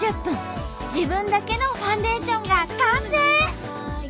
自分だけのファンデーションが完成！